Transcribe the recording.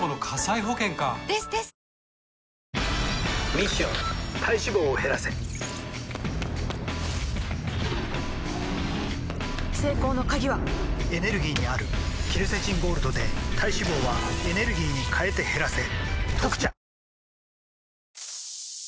ミッション体脂肪を減らせ成功の鍵はエネルギーにあるケルセチンゴールドで体脂肪はエネルギーに変えて減らせ「特茶」